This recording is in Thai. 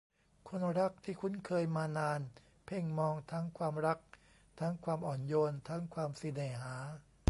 คนรักที่คุ้นเคยมานานเพ่งมอง ทั้งความรัก ทั้งความอ่อนโยน ทั้งความสิเน่หา